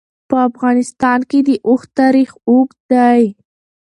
په افغانستان کې د اوښ تاریخ اوږد دی.